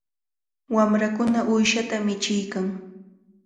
Wamrakuna uyshata michiykan.